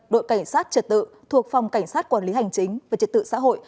đội cảnh sát trật tự thuộc phòng cảnh sát quản lý hành chính về trật tự xã hội